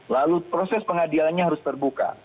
lalu proses pengadilannya harus terbuka